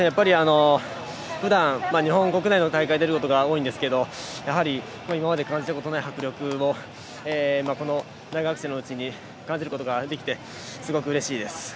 ふだん、日本国内の大会に出ることが多いんですけどやはり今まで感じたことのない迫力を大学生のうちに感じることができてすごくうれしいです。